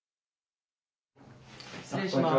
失礼します。